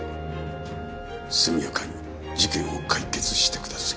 速やかに事件を解決してください。